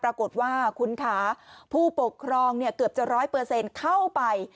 ปรากฏว่าคุณค่ะผู้ปกครองเกือบจะ๑๐๐เข้าไป